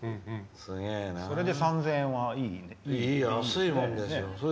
それで３０００円はいいですね。